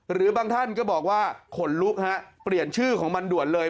หรือบางท่านก็บอกว่าขนลุกฮะเปลี่ยนชื่อของมันด่วนเลย